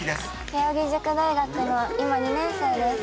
慶應義塾大学の今２年生です。